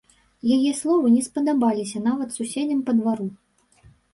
Яе словы не спадабаліся нават суседзям па двару.